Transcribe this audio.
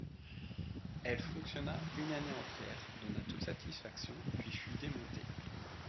Elle fonctionna une année entière, donna toute satisfaction, puis fut démontée.